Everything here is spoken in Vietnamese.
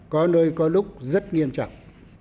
có nơi có lúc rất nghiêm trọng